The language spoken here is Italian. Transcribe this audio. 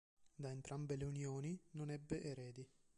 Da entrambe le unioni non ebbe eredi.